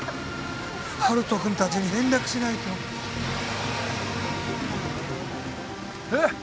温人君達に連絡しないとえっ？